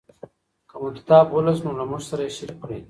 که مو کتاب ولوست نو له موږ سره یې شریک کړئ.